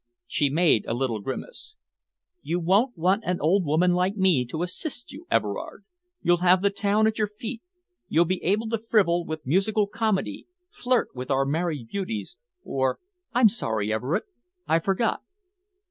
She made a little grimace. "You won't want an old woman like me to assist you, Everard. You'll have the town at your feet. You'll be able to frivol with musical comedy, flirt with our married beauties, or I'm sorry, Everard, I forgot."